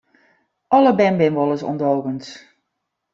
Alle bern binne wolris ûndogens.